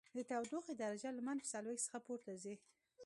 د تودوخې درجه له منفي څلوېښت څخه پورته ځي